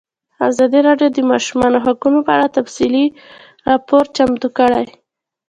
ازادي راډیو د د ماشومانو حقونه په اړه تفصیلي راپور چمتو کړی.